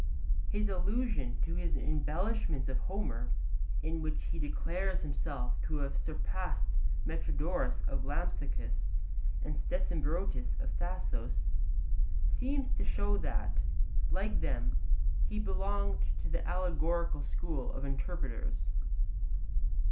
His allusion to his embellishments of Homer, in which he declares himself to have surpassed Metrodorus of Lampsacus and Stesimbrotus of Thasos, seems to show that, like them, he belonged to the allegorical school of interpreters.